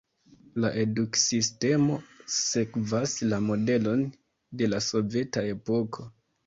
La eduksistemo sekvas la modelon de la soveta epoko.